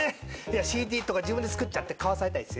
ＣＤとか自分で作っちゃって買わされたり。